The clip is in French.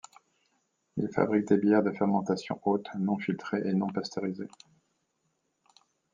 Il fabrique des bières de fermentation haute, non filtrées et non pasteurisées.